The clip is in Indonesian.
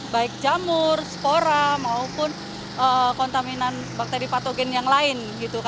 baik jamur spora maupun kontaminan bakteri patogen yang lain